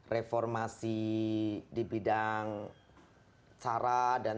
reformasi di bidang cara dan